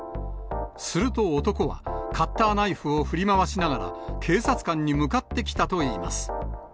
すると男は、カッターナイフを振り回しながら、警察官に向かってきたといいます。